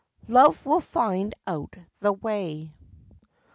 LOVE WILL FIND OUT THE WAY.